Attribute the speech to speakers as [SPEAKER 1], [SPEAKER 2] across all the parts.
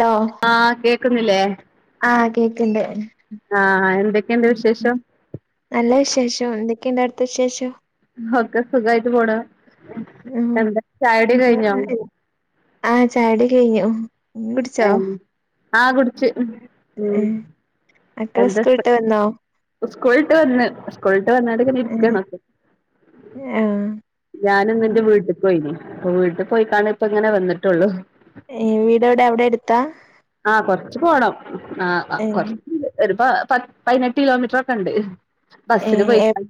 [SPEAKER 1] Hello
[SPEAKER 2] ആഹ് കേക്കുന്നില്ലേ?
[SPEAKER 1] ആഹ് കേക്ക് ണ്ട്
[SPEAKER 2] ആഹ് എന്തൊക്കെയുണ്ട് വിശേഷം
[SPEAKER 1] നല്ല വിശേഷം എന്തൊക്കെണ്ട് അടുത്ത വിശേഷം
[SPEAKER 2] ഒക്കെ സുഖായിട്ട് പോണ്
[SPEAKER 1] [unintelligible]
[SPEAKER 2] എന്താ ചായുടി കഴിഞ്ഞോ
[SPEAKER 1] ചായ കുടി ഒക്കെ കഴിഞ്ഞോ
[SPEAKER 2] ഏഹ് ആഹ് കുടിച്ച് ഉമ്
[SPEAKER 1] മക്കൾ സ്കൂൾ വിട്ടു വന്നോ
[SPEAKER 2] സ്കൂൾ ട്ട് വന്ന് സ്കുൾ വന്നാണ്ട് ഇങ്ങനെ
[SPEAKER 1] ഏഹ്
[SPEAKER 2] ഇരിക്കാണ്
[SPEAKER 1] ആഹ്
[SPEAKER 2] ഞാൻ ഇന്റെ വീട്ടിക്ക് പോയിന് അപ്പൊ വീട്ട് പോയിക്കാണ്ട് ഇപ്പ ഇങ്ങനെ വന്നിട്ടുള്ളൂ
[SPEAKER 1] ഏഹ് വീട് എവിടെ? അവിടെ എടുത്ത
[SPEAKER 2] ആഹ് കുറച്ചു പോണം
[SPEAKER 1] ഏഹ്
[SPEAKER 2] [unintelligible] പ പതിനെട്ട് കിലോമീറ്റർ ഒക്കെ ഇണ്ട് ബസ്സിന്
[SPEAKER 1] ഏഹ്
[SPEAKER 2] [unintelligible]
[SPEAKER 1] എപ്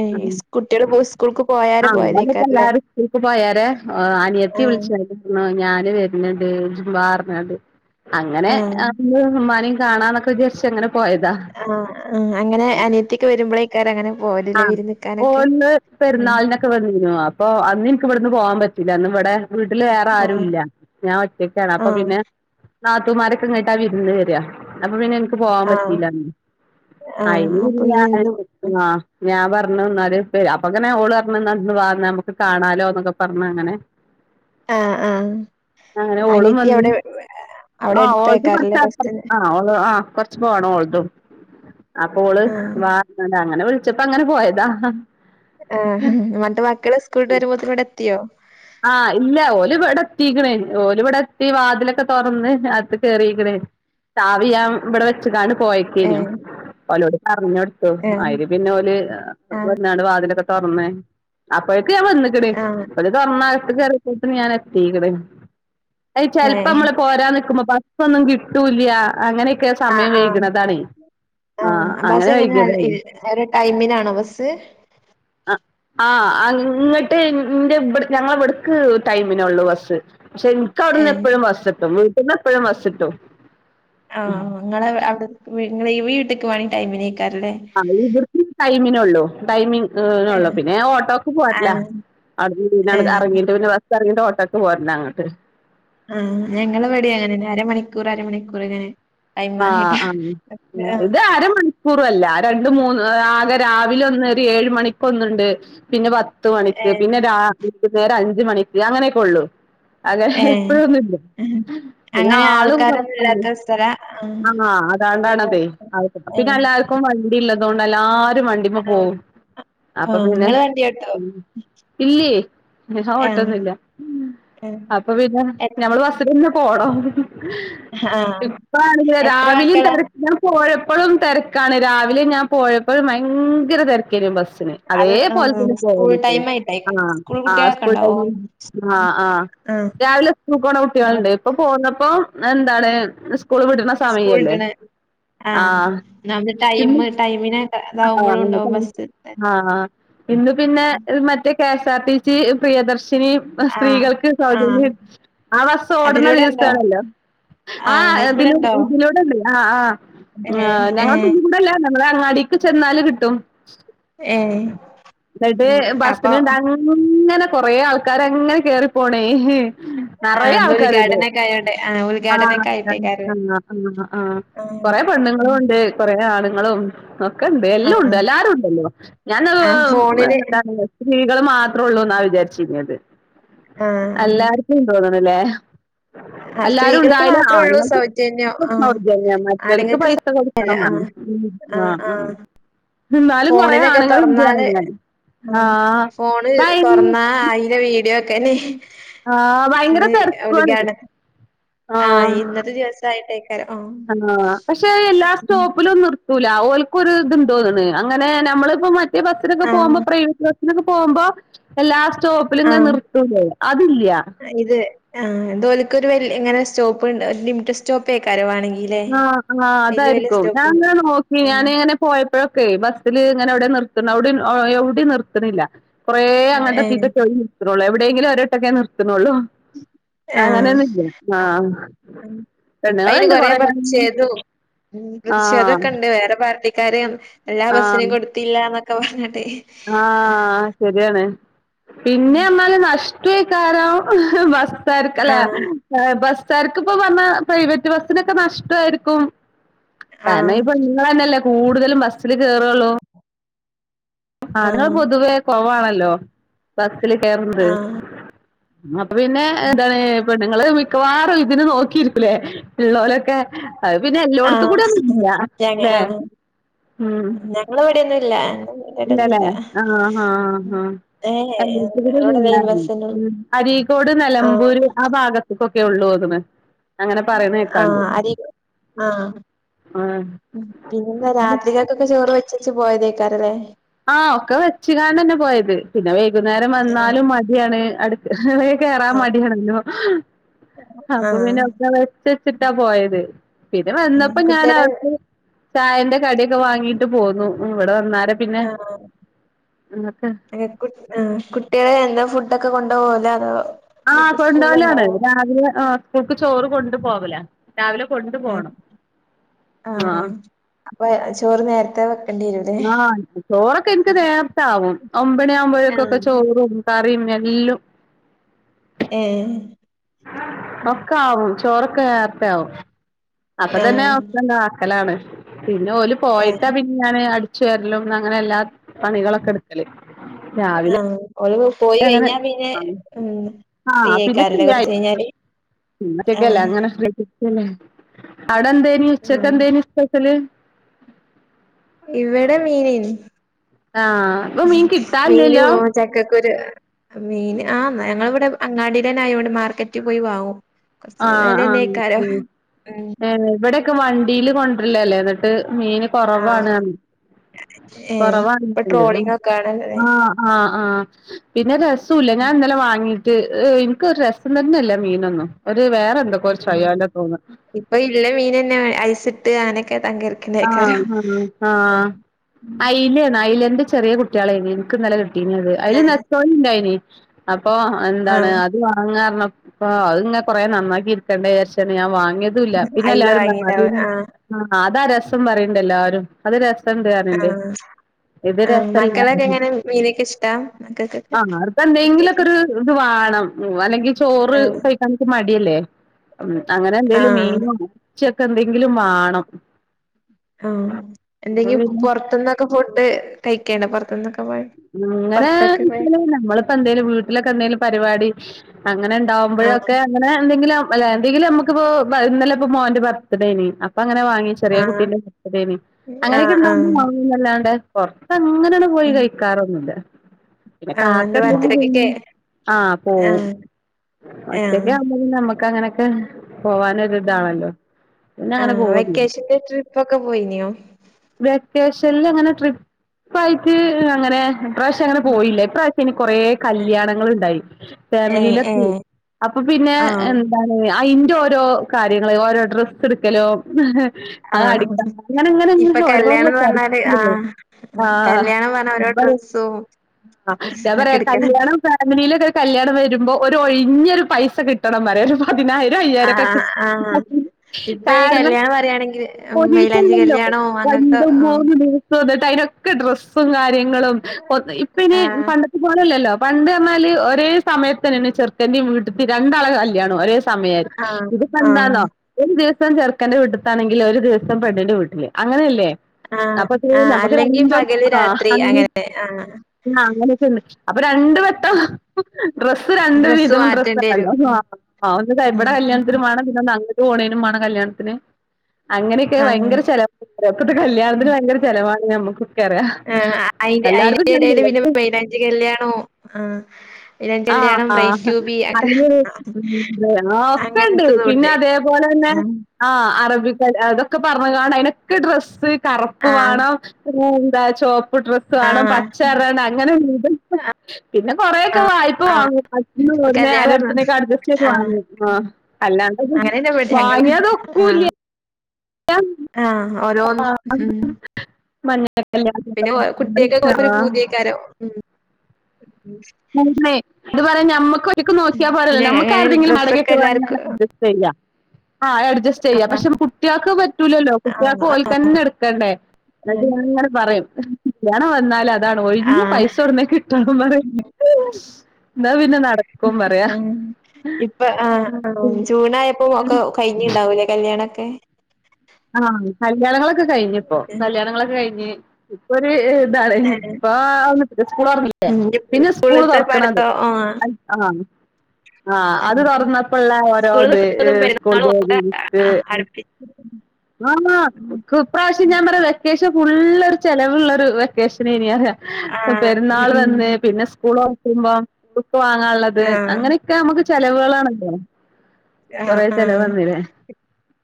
[SPEAKER 1] ഏഹ് സ് കുട്ടികള് പോ സ്കൂൾക്ക്
[SPEAKER 2] ആഹ്
[SPEAKER 1] പോയാരെ
[SPEAKER 2] ആഹ് ഇവിടെ പ്പം
[SPEAKER 1] പോയതേക്കാരല്ലേ
[SPEAKER 2] എല്ലാരും സ്കൂൾ പോയാരെ ഓഹ് അനിയത്തി ക്ക്
[SPEAKER 1] ആഹ്
[SPEAKER 2] വിൾചായിരുന്നോ ഞാൻ തിലെ വര്ന്ണ്ട് ഇജ്ജ് ബാർഞ്ഞ്കാണ്ട് അങ്ങനെ
[SPEAKER 1] ആഹ്
[SPEAKER 2] [unintelligible] ഉമ്മാനെയും കാണാനൊക്കെ വിചാരിച്ചു അങ്ങനെ പോയതാ
[SPEAKER 1] ആഹ് ആഹ് അങ്ങനെ അനിയത്തിക്കെ വരുമ്പോളേക്കാരം അങ്ങനെ പോവലില്ലേ
[SPEAKER 2] ആഹ്
[SPEAKER 1] വിരുന്ന് നിക്കാനൊക്കെ
[SPEAKER 2] ഓല് പെരുന്നാളിനൊക്കെ വന്നീനു അപ്പൊ അന്നിൻക്ക് ഇവിടുന്ന് പോവാൻ പറ്റീ റ്റില അന്ന് ഇവിടെ വീട്ടില് വേറെ
[SPEAKER 1] ആഹ്
[SPEAKER 2] ആരുല്ല ഞാൻ ഒറ്റക്കാണ് അപ്പൊ
[SPEAKER 1] ആഹ്
[SPEAKER 2] പിന്നെ നാത്തൂമാരക്കെങ്ങട്ടാ വിരുന്ന് വരാ അപ്പൊ പിന്നെ ഇൻക്ക് പോവാൻ
[SPEAKER 1] ആഹ്
[SPEAKER 2] പറ്റീലാ അന്ന്
[SPEAKER 1] ആഹ് അപ്പൊ
[SPEAKER 2] [unintelligible]
[SPEAKER 1] പിന്നെ എന്നും
[SPEAKER 2] ആഹ് ഞാൻ പറഞ്ഞുന്നാല് പ്പെ അപ്പതന്നേ ഓള് പറഞ്ഞു ഇന്ന് വാ നമ്മുക്ക് കാണാലോ പറഞ്ഞ് അങ്ങനെ
[SPEAKER 1] ആഹ് ആഹ്
[SPEAKER 2] അങ്ങനെ ഓളും
[SPEAKER 1] അനിയത്തി
[SPEAKER 2] വന്ന്
[SPEAKER 1] അവിടെ അവിടെ
[SPEAKER 2] ആഹ് ഓൾത്
[SPEAKER 1] എടുത്തേക്കാറല്ലേ
[SPEAKER 2] കൊർച്ച്
[SPEAKER 1] ഫസ്റ്റ്ന്
[SPEAKER 2] അപ്പൊർത്താണോ ഓൾ ആഹ് കൊർ ച്ചു പോണം ഓൾതും അപ്പൊ ഓള്
[SPEAKER 1] ആഹ്
[SPEAKER 2] വാ അങ്ങനെ വിളിച്ചപ്പോ അങ്ങനെ പോയതാ
[SPEAKER 1] ആഹ് എന്നിട്ട് മക്കള് സ്കൂളിട്ട് വരുമ്പോത്തിന് ഇവിടെ എത്തിയോ
[SPEAKER 2] ആഹ് ഇല്ല ഓല് ഇവിടെ എത്തീക്ക്ണ് ഓല് വിടെത്തി വാതിലൊക്കെ തുറന്ന് അകത്ത്ക്ക് കേറീക്ക്ണ് ചാവി ഞാൻ ഇവിടെ വെച്ച്കാണ്ട് പോ പോയിക്കേയ്ന്നു
[SPEAKER 1] ഏഹ്
[SPEAKER 2] ഓലോട് പർഞ്ഞൊട്ത്തു
[SPEAKER 1] ഏഹ്
[SPEAKER 2] അയില് പിന്നെ ഓല്
[SPEAKER 1] ആഹ്
[SPEAKER 2] വന്നാണ്ട് വാതിലൊക്കെ തൊർന്ന് അപ്പോഴേക്കും ഞാൻ വന്ന്ക്ക്ണ്
[SPEAKER 1] ആഹ്
[SPEAKER 2] ഓര് മയത്ത്ക്കെറങ്ങിയപ്പോത്തിന് ഞാനെത്തീക്ക്ണ് അയ്ന്
[SPEAKER 1] ഏഹ്
[SPEAKER 2] ചെൽപമ്മള് പോരാൻ നിക്കുമ്പോ ബ കിട്ടൂല അങ്ങനെയൊക്കെ സമയം വൈക്ണ താണെ
[SPEAKER 1] ആ ബസ് എങ്ങനെ ഓരോ ടൈമിനാണോ ബസ്
[SPEAKER 2] ആഹ് ആ ഇങ്ങട്ട് ഇന്റെ ഇവിടെ ഞങ്ങ എവിടക്ക് ടൈമിനൊ ഉള്ളു ബസ്സ് പക്ഷെ എനിക്ക വിടുന്ന്
[SPEAKER 1] ഏഹ്
[SPEAKER 2] എപ്പോഴും ബസ് കിട്ടും വീട്ടിൽന്ന് എപ്പോഴും ബസ്ട്ടും
[SPEAKER 1] [unintelligible] അവിടെ നങ്ങളെ ഈ വീട്ടിക്ക് വാണെ ടൈമിനേ
[SPEAKER 2] ആ ഇവിടുത്തെ ടൈമിന ഉള്ളു ടൈമിങ്ള്ളു
[SPEAKER 1] ആഹ്
[SPEAKER 2] പിന്നെ ഞാൻ ഓട്ടോക്ക് പോരല
[SPEAKER 1] ആഹ്
[SPEAKER 2] അവിടന്ന്
[SPEAKER 1] ഏഹ്
[SPEAKER 2] ഇറങ്ങിയിട്ട് പിന്നെ ബസ്സ് ഇറങ്ങിട്ട് ഓട്ടൊക്ക പോരണ അങ്ങട്ട്
[SPEAKER 1] ആ ഞങ്ങളെ ഇവിടെയും അങ്ങനെ തന്നെ അരമണിക്കൂർ അരമണിക്കൂർ ഇങ്ങനെ ടൈം
[SPEAKER 2] ആ
[SPEAKER 1] ആയിട്ടാ
[SPEAKER 2] ആ
[SPEAKER 1] ഏഹ്
[SPEAKER 2] ഇത് അര മണിക്കൂറും അല്ല രണ്ട് മൂന്ന് ആകെ രാവിലെ ഒന്ന് ഒരു ഏഴ് മണിക്ക് ഒന്നുണ്ട് പിന്നെ പ ത്ത് മണിക്ക് പിന്നെ വൈകുന്നേരം അഞ്ച് മണിക്ക് വൈകുന്നേരം അങ്ങനെയൊക്കെ ഉള്ളു അങ്ങനെ
[SPEAKER 1] ഏഹ്
[SPEAKER 2] എപ്പഴൊന്നുല്ല
[SPEAKER 1] ഉം
[SPEAKER 2] പിന്നെ
[SPEAKER 1] അങ്ങനെ
[SPEAKER 2] ആളും
[SPEAKER 1] ആൾക്കാരൊന്നും
[SPEAKER 2] കുറവാണ്
[SPEAKER 1] ഇല്ലാത്ത സ്ഥല
[SPEAKER 2] ആഹ്
[SPEAKER 1] അതേ
[SPEAKER 2] അതോണ്ടാണ്തെ പിന്നെ
[SPEAKER 1] ഏഹ്
[SPEAKER 2] എല്ലാർക്കും വണ്ടി ഉള്ളതുകൊണ്ട് എല്ലാരും വണ്ടിമ്മ
[SPEAKER 1] ആഹ്
[SPEAKER 2] പോവും അപ്പൊ
[SPEAKER 1] ആഹ്
[SPEAKER 2] പിന്നെ
[SPEAKER 1] ഇങ്ങള് വണ്ടിയോട്ടോ
[SPEAKER 2] ഇല്ല ഞാൻ
[SPEAKER 1] ആഹ്
[SPEAKER 2] ഓട്ടൊന്നുല്ല ഇല്ലേ
[SPEAKER 1] ആഹ്
[SPEAKER 2] അപ്പൊ പിന്നെ
[SPEAKER 1] എ
[SPEAKER 2] ഞമ്മള് ബസ്സിലെന്നെ പോണം
[SPEAKER 1] ആഹ്
[SPEAKER 2] ഇപ്പാണെങ്കിലോ
[SPEAKER 1] എത്ര
[SPEAKER 2] രാവിലിം
[SPEAKER 1] മക്കളാ
[SPEAKER 2] തെരക്ക പോയപ്പഴും തിരക്കാണ് രാവിലെ ഞാൻ പോയപ്പോഴും ഭയങ്കര തിരക്കെനിം ബസ്സ് അതേ
[SPEAKER 1] അത്
[SPEAKER 2] പോലെ
[SPEAKER 1] ആഹ്
[SPEAKER 2] തന്നെ
[SPEAKER 1] സ്കൂൾ
[SPEAKER 2] പോന്നപ്പോ
[SPEAKER 1] ടൈം ആയിട്ടേക്കാം
[SPEAKER 2] ആ
[SPEAKER 1] സ്കൂൾ
[SPEAKER 2] ആ
[SPEAKER 1] കുട്ടികളൊക്കെ
[SPEAKER 2] സ്കൂൾ
[SPEAKER 1] ഉണ്ടാവോ
[SPEAKER 2] ടൈമ് ആ ആ
[SPEAKER 1] ആഹ്
[SPEAKER 2] രാവിലെ സ്കൂൾക്കോണെ കുട്ടികളുണ്ട് ഇപ്പൊ പോന്നപ്പോ എന്താണ് സ് കൂള് വിട്ണ
[SPEAKER 1] സ്കൂൾ
[SPEAKER 2] സമയല്ലേ
[SPEAKER 1] വിട്ടണ
[SPEAKER 2] ആഹ്
[SPEAKER 1] ഒന്നാമത് ടൈം
[SPEAKER 2] പിന്ന്
[SPEAKER 1] ടൈമിന്
[SPEAKER 2] ആ
[SPEAKER 1] ഇതാവുമ്പോഴും ഉണ്ടാവും ബസ്
[SPEAKER 2] ആഹ് പിന്നെ പിന്നെ മറ്റേ K S R T C Priyadarshini
[SPEAKER 1] ആഹ്
[SPEAKER 2] സ്ത്രീകൾക്ക്
[SPEAKER 1] ആഹ്
[SPEAKER 2] സൗജന്യം ആ ബസ്സ്‌ ഓടുന്ന
[SPEAKER 1] അതിലൂടെ ഉണ്ടോ
[SPEAKER 2] ദിവസാണല്ലോ ആ
[SPEAKER 1] ആഹ്
[SPEAKER 2] തി
[SPEAKER 1] അയിക്കൂടെ ഉണ്ടോ
[SPEAKER 2] ഇതിലൂടെണ്ട് ആ ആ ആ
[SPEAKER 1] ഏഹ്
[SPEAKER 2] ഞങ്ങളെ
[SPEAKER 1] ഏഹ്
[SPEAKER 2] മുന്നികൂഡില്ല നമ്മൾ അങ്ങാടിക്ക് ചെന്നാല് കിട്ടും
[SPEAKER 1] ഏഹ്
[SPEAKER 2] എന്നിട്ട് ബസ്ന്
[SPEAKER 1] അപ്പൊ
[SPEAKER 2] ണ്ട് അങ്ങ അങ്ങനെ കൊറേ ആൾക്കാര് അങ്ങനെ കേറിപ്പോണേ നിറയെ
[SPEAKER 1] ആഹ് ഇന്ന്
[SPEAKER 2] ആൾക്കാരുണ്ട്
[SPEAKER 1] ഉദ്ഘാടനൊക്കെ ആയോണ്ട് ആഹ്
[SPEAKER 2] ആ
[SPEAKER 1] ഉദ്ഘാടനൊക്കെ
[SPEAKER 2] ആഹ്
[SPEAKER 1] ആയിട്ടേക്കാരല്ലേ
[SPEAKER 2] ആഹ് ആഹ് കൊറെ
[SPEAKER 1] ഉം
[SPEAKER 2] പണ്ണുങ്ങളും ഉണ്ട് കൊറെേ ആണ്ങ്ങളും ഒക്കെ ഇണ്ട് എല്ലും
[SPEAKER 1] ആഹ്
[SPEAKER 2] ഉണ്ട് എല്ലാരും ഉണ്ടല്ലോ ഞാൻ
[SPEAKER 1] ആഹ് ഫോണില്
[SPEAKER 2] എന്ത സ്ത്രീകൾ മാത്രേ ഉള്ളൂ വി വിചാരിച്ചിരിന്യത്
[SPEAKER 1] ആഹ് അങ്ങനെ
[SPEAKER 2] ല്ലേ
[SPEAKER 1] ആഹ്
[SPEAKER 2] എല്ലാരും
[SPEAKER 1] സ്ത്രീകൾക്ക്
[SPEAKER 2] ഉണ്ടായാലും
[SPEAKER 1] മാത്രേ ഉള്ളൂ
[SPEAKER 2] ആണുങ്ങൾക്ക്
[SPEAKER 1] സൗജന്യം ആഹ്
[SPEAKER 2] സൗജന്യ മറ്റോൽക്ക്
[SPEAKER 1] ആണുങ്ങൾക്ക്
[SPEAKER 2] പൈസ
[SPEAKER 1] സൗജന്യല്ല
[SPEAKER 2] കൊടുക്കണം
[SPEAKER 1] ആഹ്
[SPEAKER 2] പറഞ്ഞ് ആഹ് ഉം ന്നാലും കൊറേ ആണുങ്ങൾ ഇണ്ട് പറിം ഞാൻ
[SPEAKER 1] ആ ഫോണ് തുറന്നാ അതിന്റെ വീഡിയോ
[SPEAKER 2] ആഹ് ഭയങ്കര തിരക്കുവാണ്
[SPEAKER 1] അവധിക്കാണ് ആഹ് ഇന്നത്തെ ദിവസായിട്ടേ
[SPEAKER 2] ആഹ് പക്ഷെ എല്ലാ
[SPEAKER 1] ഉം
[SPEAKER 2] സ്റ്റോപ്പിലും നിർ തുല ഓൾക്കൊരു ഇത്ണ്ടോന്ന്ണ് അങ്ങനെ നമ്മളിപ്പോ മറ്റേ ബസ്സിനൊക്കെ
[SPEAKER 1] ആഹ്
[SPEAKER 2] പോകുമ്പോ പ്രൈവറ്റ് ബസ് നൊക്കെ പോകുമ്പോ എല്ലാ സ്റ്റോപ്പിലും ഇങ്ങനെ
[SPEAKER 1] ആഹ്
[SPEAKER 2] നിർത്തൂലേ അതില്ല
[SPEAKER 1] ഇത് ആഹ് ദോൽക്കൊര് വ എങ്ങനെ സ്റ്റോപ്പ്ണ്ട് ലിമിറ്റ് സ്റ്റോപ്പേക്കാര. വാണെങ്കിൽ
[SPEAKER 2] ആ ആ അതായിരിക്കും ഞാൻങ്ങനെ നോക്കി ഞാന് ഇങ്ങനെ പോയ പ്പോഴൊക്കെ ബസ്സിൽ ഇങ്ങനെ എവിടെ നിർത്ത്ണെ എവിടെ എവിടിം നിർത്തണില്ല കുറേ
[SPEAKER 1] ആ
[SPEAKER 2] അങ്ങട്ടെത്തി
[SPEAKER 1] ഏഹ്
[SPEAKER 2] ട്ടൊക്കെ നിർത്തുന്നുള്ളൂ എവിടെയെങ്കിലും ഒരട്ടൊക്കെ നിർത്തുന്നുള്ളൂ അങ്ങനെയൊന്നുംല്ല ആഹ് പെണ്ണുങ്ങളുണ്ട് കൊറെ
[SPEAKER 1] ചെയ്തു ഉം പ്രതിഷേധമൊക്കെ ഉണ്ട് വേറെ പാർട്ടിക്കാരിം എല്ലാ ബസ്സിനും കൊടുത്തില്ലന്നൊക്കെ പറഞ്ഞ്
[SPEAKER 2] ആ ശരിയാണ് പിന്നെ എന്നല് നഷ്ട കാര ബസ്ർക്കല്ല
[SPEAKER 1] ആഹ്
[SPEAKER 2] ബ സാർക്കിപ്പ പറഞ്ഞാ പ്രൈവറ്റ് ബസ്സിനൊക്കെ നഷ്ടമായിരിക്കും കാരണം
[SPEAKER 1] ആഹ്
[SPEAKER 2] ഇപ്പൊ നിങ്ങ തന്നെല്ലേ കൂടുതൽ ബസ്സില് കേറുള്ളൂ ആ നിങ്ങള്
[SPEAKER 1] ആഹ്
[SPEAKER 2] പൊതുവേ കൊവാണല്ലോ ബസിൽ
[SPEAKER 1] ആഹ്
[SPEAKER 2] കേയറുന്നത് പിന്നെ എന്താണ് പെണ്ണുങ്ങള് മിക്കവാറും ഇതിന് നോക്കിയിരിക്കലേ ള്ളലൊക്കെ അ പിന്നെ എല്ലോടത്ത കൂടി ഒന്നും
[SPEAKER 1] ആഹ്
[SPEAKER 2] ഇല്ല
[SPEAKER 1] ഞങ്ങ
[SPEAKER 2] ല്ലേ
[SPEAKER 1] ആഹ്
[SPEAKER 2] ഉ
[SPEAKER 1] ഞങ്ങളെ ഇവിടെയൊന്നും ഇല്ല
[SPEAKER 2] ഇല്ലല്ലേ
[SPEAKER 1] കേട്ടൊന്നുല്ല
[SPEAKER 2] ആ ആ ഹ
[SPEAKER 1] ഏഹ് ഞങ്ങളവിടെ ലൈൻ ബസ്സന്നെള്ളു
[SPEAKER 2] അരീക്കോട്
[SPEAKER 1] ആഹ്
[SPEAKER 2] നിലമ്പൂര് ആ ഭാഗത്തക്കൊക്കെ ഒക്കെള്ളൂ അതിന് അങ്ങനെ പറയുന്ന കേക്കാണ്ട്
[SPEAKER 1] ആ
[SPEAKER 2] ആഹ്
[SPEAKER 1] പിന്നെന്താ രാത്രികാൾക്കൊക്കെ ചോറ് വെ വെച്ചേച് പൊയ്തേക്കാരല്ലെ
[SPEAKER 2] ആ ഒക്കെ വെച്ചുകണ്ട് തന്നെ പോയത് പിന്നെ വൈകുന്നേരം
[SPEAKER 1] ഏ
[SPEAKER 2] വന്നാലും മട്യയാണ് അടു കേയറാൻ
[SPEAKER 1] ആ
[SPEAKER 2] മടിയണല്ലോ
[SPEAKER 1] ആ
[SPEAKER 2] അപ്പൊ പിന്നെ ഒക്കെ വെച്ച ച്ചിട്ടാ പോയത് പിന്നെ
[SPEAKER 1] ഉം
[SPEAKER 2] വന്നപ്പോ ഞാൻ
[SPEAKER 1] കുട്ടികള്
[SPEAKER 2] അവർക്ക് ചായന്റെ കടിയൊക്കെ വാങ്ങിട്ട് പോന്നു ഇവിടെ വന്നാ അത പിന്നെ
[SPEAKER 1] ആ
[SPEAKER 2] അതൊക്കെ
[SPEAKER 1] ഏ കുട് ആ കുട്ടിഎള് എന്ന ഫുഡ്ഡൊ ക്കെ കൊണ്ടാ പോകല് അതോ
[SPEAKER 2] ആ
[SPEAKER 1] വീട്ട്
[SPEAKER 2] കൊണ്ടോലാണ്
[SPEAKER 1] സ്കൂളിലുണ്ടാവോ
[SPEAKER 2] രാവിലെ ആ സ്കൂൾക്ക് ചോറ് കൊണ്ട് പോവല
[SPEAKER 1] [unintelligible] ആ ആ അപ്പെ ചോറ് ന്നേര്ത്തെ വെക്
[SPEAKER 2] ആ ചോറൊക്കെ ഇൻക്ക് ന്നേര്ത്താവും ഒമ്പണി
[SPEAKER 1] ആ
[SPEAKER 2] ആവുമ്പോഴേക്കൊക്കെ ചോറും കൂട്ടാൻ റിം എല്ലും
[SPEAKER 1] ഏ
[SPEAKER 2] ഒക്കാവും ചോറൊക്കെ ന്നേര്ത്തെ ആവും അപ്പ
[SPEAKER 1] ആ
[SPEAKER 2] തന്നെ അസ്ബൻ്റ് ആക് ക്കലാണ് പിന്നെ ഓല്
[SPEAKER 1] ഏ
[SPEAKER 2] പോയിട്ടാ പിന്നെ ഞാന് അട് ച്ചേര്ലും ന്ന അങ്ങനെ എല്ലാ പണികളൊക്കട്ക്കല്
[SPEAKER 1] ആ ഒല് പോയി
[SPEAKER 2] അങ്ങനെ
[SPEAKER 1] കഴിഞ്ഞാ പിന്നെ ഫ്രീ എയ്ക്കാരം കൊർച്ചഴ്ഞ്ഞാല്
[SPEAKER 2] പിന്നൊറ്റക്കെല്ലേ അങ്ങനെ ഫ്രീ കി അട എന്തേനി
[SPEAKER 1] ആ
[SPEAKER 2] ഉച്ചക്കെന്തേനി സ്പെശല്
[SPEAKER 1] ഇവടെ മീനേനി
[SPEAKER 2] ആ ഇപ്പൊ മീൻ
[SPEAKER 1] മീന്
[SPEAKER 2] കിട്ടാനില്ലല്ലോ
[SPEAKER 1] മൊ ചക്കക് കുരു മീന് ആ ഞങ്ങള് വിടെ അങ്ങാടിലെന്ന ആയോണ്ട് മാർക്കറ്റ് പോയി വാങ്ങും കൊറച്ച്
[SPEAKER 2] ആ ആ അം
[SPEAKER 1] വെലന്നേക്കാരോ
[SPEAKER 2] മ് ഏ വടൊക്കെ വണ്ടീല് കൊണ്ടര്ലല്ലേ ന്നട്ട് മീന്
[SPEAKER 1] ആ
[SPEAKER 2] കൊറവാണ് [unintelligible]
[SPEAKER 1] ഏ
[SPEAKER 2] കൊറവാണ്
[SPEAKER 1] ഇപ്പൊ
[SPEAKER 2] ണ്ട് ല്ലേലും
[SPEAKER 1] ട്രോളിങ് ഒക്കെ ആണല്ലേ
[SPEAKER 2] ആ പിന്നെ രസൂല്ല ഞാൻ ന്നലെ വാങ്ങീട്ട് [unintelligible] ഇൻക്കൊര് രസം തന്നെല്ല മീനൊന്നും ഒരു വേറെ എന്തൊക്കോ ഒരു ചൊയാല തോന്ന
[SPEAKER 1] ഇപ്പ ഇള്ള മീനന്നെ ഐസ്
[SPEAKER 2] ആ അ ആ അയ്ലെണ് അയ്ല ണ്ട് ചെറിഏ കുട്ടിഎളേനി ഇൻക്ക് ന്നലെ കിട്ടീനി അത്
[SPEAKER 1] ഏ
[SPEAKER 2] അയ്ല് ന്നത്തോലിണ്ടായിനി പ്പൊ അ
[SPEAKER 1] ആ
[SPEAKER 2] എന്താണ് അത് വാങ്ങാർഞ പ്പ അഇങ്ങ കൊറെേ ന്നന്നാക്കി ഇര്ക്കണ്ടേ ജാര്ച്ചാണ്ട് ഞാം വാങ് ങ്ങിയതുല്ല പിന്ന
[SPEAKER 1] അയില
[SPEAKER 2] എല്ലാരും പർഞു
[SPEAKER 1] വാങ്ങീണ്ടാവ
[SPEAKER 2] അതേനി ആ അതാ രെസം പറീണ്ട് എല്ലാരും അത് രെസ് സണ്ട്
[SPEAKER 1] ആ
[SPEAKER 2] അറീണ്ട് ഇത്
[SPEAKER 1] ആ
[SPEAKER 2] രെസല്ല
[SPEAKER 1] മക്കളൊക്കെ
[SPEAKER 2] റിം
[SPEAKER 1] എങ്ങനെ മീനൊക്കെ ഇഷ്ടാ മക്കൾക്കൊക്കെ
[SPEAKER 2] ആ അവർക്ക് എന്തെങ്കിലൊക്ക
[SPEAKER 1] കുട്ടിയക്കെ
[SPEAKER 2] ഒര് ത് വാ മാണം മ് അല്ലെങ്കി ചോറ്
[SPEAKER 1] ആ
[SPEAKER 2] കഴിക്കാൻക്കെ മടിഎല്ലേ? മ് അങ്ങനെ എന്തേലും
[SPEAKER 1] ആ
[SPEAKER 2] മീനോ ച്ചിഒക്ക എന്തങ്കിലും മാണം
[SPEAKER 1] ആ എന്തെങ്കി പൊർത്തന്നൊക്കെ ഫുഡ്ഡ് കഴിക്കേണ്ടോ പൊർത്ത്ന്നൊക്
[SPEAKER 2] ങ്ങനെ [inaudible] ന്നമ്മള്പ്പ ന്തേലും വീട്ട്ല്ഒക്ക എന്തേലും പരിപാടി അങ്ങനെ ണ്ടാഉമ്പ
[SPEAKER 1] ആഹ്
[SPEAKER 2] ഴൊക്കെ അങ്ങനെ എന്തെങ്കിലും അല്ല എന്തെങ്കിലും അമക്ക്പോ പ ഇന്നലെ പ്പം മോന്റെ ബർത്ത്ഡേനി അപ് പ്പ അങ്ങനെ വാങ്ങി ചെറീയ
[SPEAKER 1] ആഹ്
[SPEAKER 2] കുട്ടിന്റെ ബർത്ത്ഡേനി
[SPEAKER 1] ആഹ്
[SPEAKER 2] അങ്ങനെയ്ക്കെ ണ്ടാഉബം
[SPEAKER 1] ആഹ്
[SPEAKER 2] മാങ്ങു ന്നല്ലാണ്ടെ പൊർ ത്തങ്ങനാണ്ട് പോയി കഴിക്കാറൊന്നുല്ല
[SPEAKER 1] ആഹ്
[SPEAKER 2] കാക്ക
[SPEAKER 1] എന്റെ
[SPEAKER 2] ണ്ടങ്കി
[SPEAKER 1] ബർത്ത്ഡേക്കൊക്കെ
[SPEAKER 2] പിന്നിം
[SPEAKER 1] ആഹ് ആഹ്
[SPEAKER 2] ഒറ്റക്കാവുമ്പ പിന്നാ മ്ക്ക് അങ്ങനൊകെ പോവാന് ഒര് താണല്ലോ പിന്ന അങ്ങനെ
[SPEAKER 1] ആഹ്
[SPEAKER 2] പോഒന്നുല്ല
[SPEAKER 1] വെക്കേഷന്റെ ട്രിപ്പൊക്കെ പോയിനിയോ
[SPEAKER 2] ഷെൻല്ല്അങ്ങനെ ട്രിപ്പായിട്ട് അങ്ങനെ ഇപ്രാവ്ശ്യം അങ്ങനെ പോയില്ല ഇപ്രാവശ്യം അയ്ന് കൊറേ കല്ല്യാണങ്ങള്ണ്ടായി
[SPEAKER 1] ഏഹ്
[SPEAKER 2] ഫേമിലിലൊക്കെ
[SPEAKER 1] ഏഹ്
[SPEAKER 2] അപ്പ പിന്നെ
[SPEAKER 1] ആഹ്
[SPEAKER 2] എന്താണ് അയ്ന്റെ ഓരോ കാര്യങ്ങള് ഓരോ ഡ്രസ് സ്സ് ട്ക്കലോം അ അടിക്ക
[SPEAKER 1] ആഹ്
[SPEAKER 2] [unintelligible]
[SPEAKER 1] ഇപ്പൊ
[SPEAKER 2] അങ്ങനങ്ങനങ്ങന ഓരോരോ
[SPEAKER 1] കല്യാണംന്ന്
[SPEAKER 2] പണികള്ല്ല്യേ ആ ഹ ഹ
[SPEAKER 1] പ്പ ണോ രോ ഡ്രസ്സും
[SPEAKER 2] അ ഞ്ഞാ പറിആ
[SPEAKER 1] ഇതൊക്കെ എടുക്കണം
[SPEAKER 2] കല്ല്യാണം ഫേമിലീലൊക്കൊര് കല്ല്യാണം വെരുമ്പോ ഒരൊഴ്ഞ്ഞെ ര് പൈസ കിട്ടണം പറിഅ ഒര് പതിനായിരോ അയ്യായിരം ഒക്കെ
[SPEAKER 1] ആഹ് ആഹ്
[SPEAKER 2] കി [inaudible]
[SPEAKER 1] ഇപ്പൊ ഈ
[SPEAKER 2] കാരണം
[SPEAKER 1] കല്യാണം പറയാണെങ്കില് മൈലാഞ്ചി
[SPEAKER 2] ഒരീസല്ലല്ലോ
[SPEAKER 1] കല്യാണോ
[SPEAKER 2] ത്
[SPEAKER 1] അങ്ങനത്തെ
[SPEAKER 2] രണ്ട്
[SPEAKER 1] ആഹ്
[SPEAKER 2] മൂന്ന് ദിവ്സം ന്നട്ട് അയ്നൊക്കെ ഡ്രസ്സും കാര്യങ്ങളും ഒന്ന് ഇപ്പ അയ്ന്
[SPEAKER 1] ആഹ്
[SPEAKER 2] പണ്ടത്തെ പോലല്ലല്ലോ പണ്ട്അർഞാല് ഒരേ സമയത്തെ ന്നെണ് ചെർക്കെന്റിം വീട്ട്ത്തിം രണ്ടാള കല്ല്യാണും ഒരേ സ് സമയത്
[SPEAKER 1] ആഹ് ആഹ്
[SPEAKER 2] ഇത്പന്താന്നോ ഒര് ദിവസം ചെർക്കന്റെ വിട്ട്ത്താണെങ്ക് ങ്കില് ഒരു ദിവസം പെണ്ണിന്റെ വീട്ടില് അങ്ങനെല്ലേ
[SPEAKER 1] ആഹ്
[SPEAKER 2] അപ്പൊത്ത്നേ
[SPEAKER 1] ആഹ്
[SPEAKER 2] ന്നമുക്ക്
[SPEAKER 1] അല്ലെങ്കി
[SPEAKER 2] രണ്ടോട്
[SPEAKER 1] പകല്
[SPEAKER 2] കാ ആ
[SPEAKER 1] രാത്രി അങ്ങനെ ആഹ്
[SPEAKER 2] [inaudible] ആ അങ്ങനെയൊക്കെ ഉണ്ട് അപ്പൊ രണ്ട് വെട്ടം ഡ്രസ്സ് രണ്ട് വിധം ഡ്രസ്സ്
[SPEAKER 1] മാറ്റേണ്ടി വരും
[SPEAKER 2] ആല്ലോ
[SPEAKER 1] ഉം
[SPEAKER 2] ആ ആ ഒന്ന് ഇവിടെ കല്യാണത്തിനും വേണം പിന്നെ നങ്ങ്ട്ട് പോണേനും വേണം കല്യാണത്തിന് അങ്ങനെയൊക്കെ
[SPEAKER 1] ആഹ്
[SPEAKER 2] ഭയങ്കര ചെലവണ്‌ പ്പത്തെ കല്യാണത്തിന് ഭയങ്കര ചെലവാണ് നമ്മുക്ക്
[SPEAKER 1] ആ അ അയ്‌ന്റെ അയ്ന്റെ എടൽ പിന്നെ
[SPEAKER 2] ചെലവ്
[SPEAKER 1] മൈലാഞ്ചി കല്യാണോ ആ
[SPEAKER 2] ആ ആ അ
[SPEAKER 1] അങ്ങൻത്തെ
[SPEAKER 2] [unintelligible] ഒക്കെണ്ട് പിന്നെ
[SPEAKER 1] അങ്ങൻത്തതുണ്ട്
[SPEAKER 2] അതേപോലെ
[SPEAKER 1] ആഹ്
[SPEAKER 2] ആ അറ അതൊക്കെ പറഞ്ഞ കാണ അയ്നൊക്കെ ഡ്രസ്സ് കറുപ്പ്
[SPEAKER 1] ആഹ്
[SPEAKER 2] വേണം പി എന്താ ഡ്രസ്സ് വേണം
[SPEAKER 1] ആഹ്
[SPEAKER 2] പച്ചറ അങ്ങനെ പിന്നെ കൊറക്കെ
[SPEAKER 1] ആഹ്
[SPEAKER 2] ചെലപ്പം
[SPEAKER 1] ആഹ് ഇപ്പൊ
[SPEAKER 2] വാങ്ങും
[SPEAKER 1] കല്യാണം പറഞ്ഞു
[SPEAKER 2] [unintelligible] അഡ്ജസ്റ്റ് ചെയ്തു
[SPEAKER 1] ആഹ്
[SPEAKER 2] വാങ്ങും ആ അല്ലാണ്ട്
[SPEAKER 1] അങ്ങനെന്നെ
[SPEAKER 2] വാങ്ങിയാതൊക്കൂല്ല
[SPEAKER 1] ആ ഓരോന്ന് ഉം
[SPEAKER 2] മഞ്ഞ
[SPEAKER 1] പിന്നെ കുട്ടിയൊക്കെ
[SPEAKER 2] കല്യാണത്തിനൊക്കെ
[SPEAKER 1] [unintelligible]
[SPEAKER 2] ആഹ്
[SPEAKER 1] പൂതി അയ്ക്കാരം ഉം
[SPEAKER 2] [unintelligible] ഇത് പറയാൻ നമ്മുക്ക് പ ഇക്ക് നോക്കിയാ പോരല്ല
[SPEAKER 1] പിന്നെ
[SPEAKER 2] നമുക്ക
[SPEAKER 1] അങ്ങനെ
[SPEAKER 2] ആരുതെങ്കിലും [unintelligible]
[SPEAKER 1] ഡ്രസ്സൊക്കെ എല്ലാർക്കും
[SPEAKER 2] അഡ്സ്റ്റ് ചെയ്യാം ആഹ് അഡ്ജസ്റ്റ് ചെയ്യ പക്ഷെ കുട്ടികൾക്ക് പറ്റൂലല്ലോ കുട്ടികൾക്ക്
[SPEAKER 1] ആഹ്
[SPEAKER 2] ഓൽക്കന്നെ എടുക്കണ്ടേ എന്നട്ട് ഞാൻങ്ങെ പറയും കല്യാണം വന്നാല അതാണ് ഒഴിഞ്ഞ്
[SPEAKER 1] ആഹ്
[SPEAKER 2] പൈസ എവ്‌ടെന്നെ കിട്ടണം പറയും ന്ന വി
[SPEAKER 1] ഉം ആ ഇപ്പ ആ ജൂൺ ആയപ്പോ ഒക്കെ കഴിഞ്ഞിണ്ടാവൂല്ലേ കല്യാണക്കെ ഏ
[SPEAKER 2] ആ കല്യാണങ്ങളൊക്കെ കഴിഞ്ഞ ഇപ്പോ കല്യാണങ്ങളൊക്കെ കഴിഞ്ഞ് ഇപ്പൊ ഒരു [unintelligible] ഇപ്പൊ സ്കൂൾ തൊറന്നിലേ പിന്നെ സ്കൂൾ
[SPEAKER 1] സ്കൂളിത്തെ
[SPEAKER 2] തുറക്കണെ
[SPEAKER 1] പഠിത്തോ ആഹ്
[SPEAKER 2] അ ആ ആ അത്
[SPEAKER 1] ആഹ്
[SPEAKER 2] തുറന്നപ്പോള്ള ഓരോ
[SPEAKER 1] സ്കൂള്
[SPEAKER 2] ഇത്
[SPEAKER 1] തും
[SPEAKER 2] സ്കൂൾ
[SPEAKER 1] പെരുന്നാളും
[SPEAKER 2] ബാഗ് ബുക്ക്‌
[SPEAKER 1] ആഹ് അടുപ്പിച്ച്
[SPEAKER 2] ആ ഇക്കു ഇപ്രാവശ്യ ഞാൻ പറ വെക്കേഷ പെ ഫുള്ള് ഒരു ചെലവുള്ള ഒരു വെക്കേഷൻ ഇനി അറ
[SPEAKER 1] ആഹ്
[SPEAKER 2] പെരുന്നാള്
[SPEAKER 1] ഉം
[SPEAKER 2] വന്ന് പിന്നെ സ്കൂള് തുറക്ക ക്കുമ്പ ബുക്ക് വാങ്ങാനുള്ളത്
[SPEAKER 1] ആഹ്
[SPEAKER 2] അങ്ങനെയൊക്കെ നമുക്ക് ചെലവുകളാണല്ലോ
[SPEAKER 1] ആഹ്
[SPEAKER 2] കൊറെ ചിലവ്
[SPEAKER 1] ആഹ്
[SPEAKER 2] വന്നില്ലേ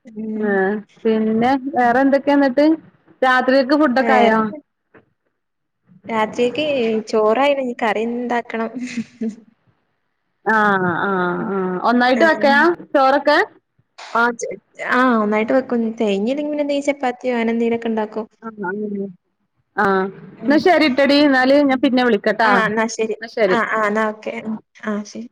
[SPEAKER 1] ഉം
[SPEAKER 2] ആ പിന്നെ വേറെ എന്തൊക്കെയ എന്നിട്ട് രാത്രികക്ക് ഫുഡൊക്കെ
[SPEAKER 1] വേറെ
[SPEAKER 2] ആയോ
[SPEAKER 1] രാത്രിക്ക് ചോറായി ഇനി കറിണ്ടാക്കണം
[SPEAKER 2] ആ ആ ആഹ് ഒന്നായിട്ട്
[SPEAKER 1] ആഹ്
[SPEAKER 2] വെക്കലാ ചോറൊക്കെ
[SPEAKER 1] ആ ചെ ആ ഒന്നായിട്ടു വെക്കും [unintelligible] ചപ്പാത്തിയോ അനെന്തങ്കിലുക്കെ ഉണ്ടാക്കും
[SPEAKER 2] [inaudible] ആ എന്നാ
[SPEAKER 1] ഉം
[SPEAKER 2] ശരി ഇട്ടടി എന്നാല് ഞാൻ പിന്നെ വിളിക്കട്ടാ
[SPEAKER 1] ആ
[SPEAKER 2] എന്നാ
[SPEAKER 1] ആ
[SPEAKER 2] ശരി
[SPEAKER 1] ആ എന്നാ ഓക്കെ ആ ശരി